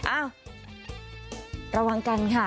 อ้าวระวังกันค่ะ